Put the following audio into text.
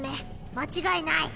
間違いない。